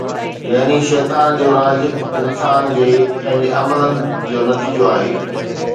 يعني شيطان جو راڄ انسان جي پنهنجي عملن جو نتيجو آهي